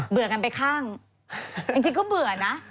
กันไปข้างจริงก็เบื่อนะ